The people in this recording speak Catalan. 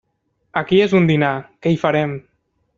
Aquí és un dinar, què hi farem!